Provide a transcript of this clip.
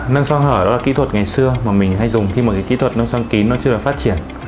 nâng xoang hở đó là kỹ thuật ngày xưa mà mình hay dùng khi mà cái kỹ thuật nâng xoang kín nó chưa được phát triển